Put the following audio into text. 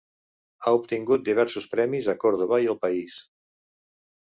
Ha obtingut diversos premis a Córdoba i el país.